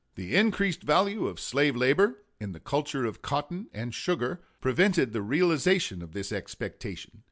The increased value of slave labor, in the culture of cotton and sugar, prevented the realization of this expectation.